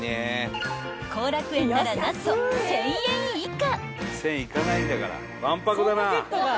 ［幸楽苑なら何と１，０００円以下］